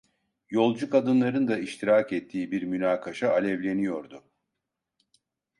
Yolcu kadınların da iştirak ettiği bir münakaşa alevleniyordu.